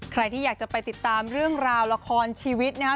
ใครที่อยากจะไปติดตามเรื่องราวละครชีวิตนะครับ